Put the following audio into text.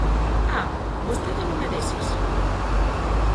¡Ah!, ¿vostede non é deses?